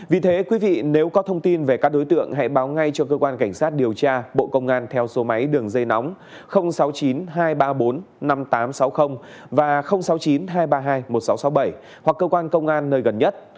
vì thế quý vị nếu có thông tin về các đối tượng hãy báo ngay cho cơ quan cảnh sát điều tra bộ công an theo số máy đường dây nóng sáu mươi chín hai trăm ba mươi bốn năm nghìn tám trăm sáu mươi và sáu mươi chín hai trăm ba mươi hai một nghìn sáu trăm sáu mươi bảy hoặc cơ quan công an nơi gần nhất